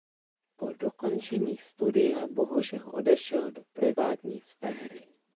Po dokončení studia bohužel odešel do privátní sféry.